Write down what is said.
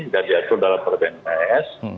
dan diatur dalam perkembangan pes